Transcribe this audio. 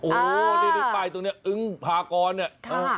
โอ้นี่ไปตรงนี้อึ้งพากรเนี่ย